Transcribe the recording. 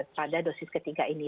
pada dosis ketiga ini